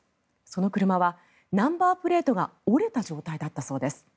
その車はナンバープレートが折れた状態だったそうです。